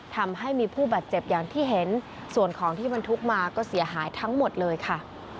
ทำให้มีผู้บาดเจ็บอย่างที่เห็นส่วนของที่บรรทุกมาก็เสียหายทั้งหมดเลยค่ะ